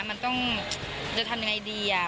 มันต้องจะทำยังไงดี